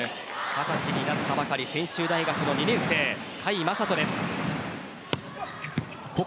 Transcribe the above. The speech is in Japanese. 二十歳になったばかり専修大学の２年生甲斐優斗です。